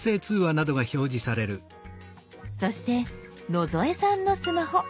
そして野添さんのスマホ。